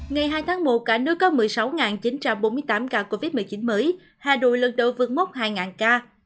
ngày hai tháng một cả nước có một mươi sáu chín trăm bốn mươi tám ca covid một mươi chín mới hà nội lần đầu vượt mốc hai ca